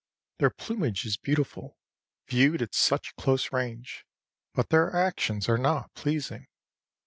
Their plumage is beautiful, viewed at such close range, but their actions are not pleasing.